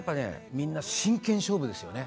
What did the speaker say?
みんな真剣勝負ですよね